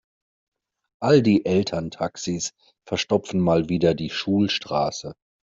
All die Elterntaxis verstopfen mal wieder die Schulstraße.